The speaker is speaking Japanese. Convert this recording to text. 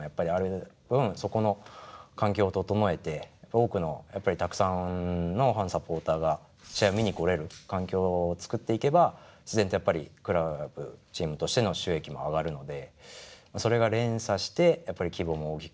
多くのやっぱりたくさんのファンサポーターが試合を見に来れる環境をつくっていけば自然とやっぱりクラブチームとしての収益も上がるのでそれが連鎖してやっぱり規模も大きくなって。